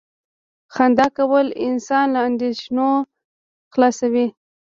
• خندا کول انسان له اندېښنو خلاصوي.